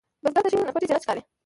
بزګر ته شین پټی جنت ښکاري